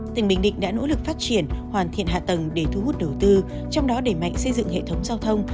tỉnh bình định đã nỗ lực phát triển hoàn thiện hạ tầng để thu hút đầu tư trong đó để mạnh xây dựng hệ thống giao thông